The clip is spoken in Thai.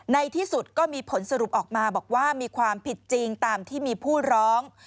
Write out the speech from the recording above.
ในที่สุดก็มีผลสรุปออกมาบอกว่ามีความผิดจริงตามที่มีผู้ร้อง